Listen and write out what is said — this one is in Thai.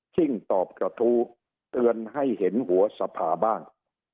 ยิ่งตอบกระทู้เตือนให้เห็นหัวสภาบ้าง